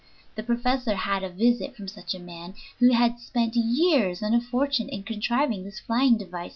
The professor had a visit from such a man, who had spent years and a fortune in contriving this flying device, which, alas!